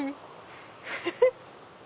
フフフ！